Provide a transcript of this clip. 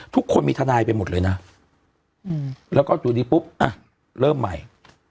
ทุกคนมีทนายไปหมดเลยนะแล้วก็อยู่ดีปุ๊บอ่ะเริ่มใหม่